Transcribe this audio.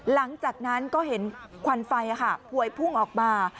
หลังจากนั้นก็เห็นควันไฟพวยพุ่งออกมา